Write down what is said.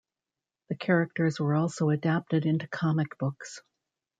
The characters were also adapted into comic books.